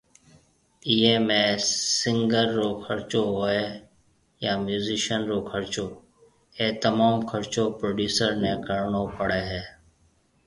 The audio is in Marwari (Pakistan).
ايئي ۾ سنگر رو خرچو ھوئي يا ميوزيشن رو خرچو اي تموم خرچو پروڊيوسر ني ڪرڻو پڙي ھيَََ